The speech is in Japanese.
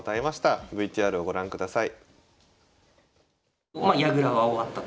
ＶＴＲをご覧ください。